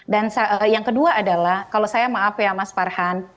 dan yang kedua adalah kalau saya maaf ya mas farhan